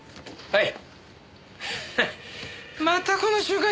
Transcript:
はい。